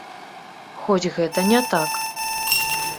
Хоць гэта не так.